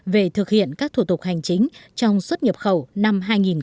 về thực hiện các thủ tục hành chính trong xuất nhập khẩu năm hai nghìn một mươi chín